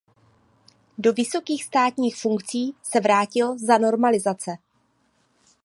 Do vysokých státních funkcí se vrátil za normalizace.